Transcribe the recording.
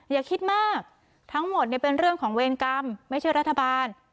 อย่าคิดมากทั้งหมดเป็นเรื่องของเวรกรรมไม่ใช่รัฐบาล